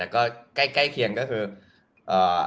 ก็ใกล้เคียงก็คือ